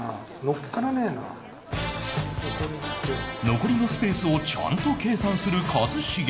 残りのスペースをちゃんと計算する一茂